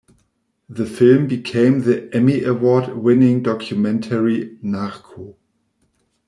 The film became the Emmy-award winning documentary "Narco".